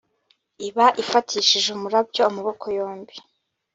iba ifatishije umurabyo amaboko yombi